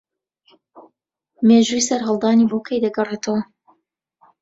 مێژووی سەرهەڵدانی بۆ کەی دەگەڕێتەوە